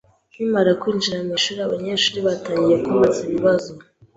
Nkimara kwinjira mu ishuri, abanyeshuri batangiye kumbaza ibibazo.